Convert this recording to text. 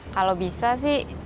kalau bisa sih